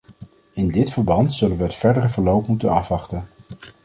In dit verband zullen we het verdere verloop moeten afwachten.